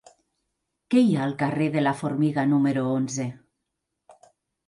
Què hi ha al carrer de la Formiga número onze?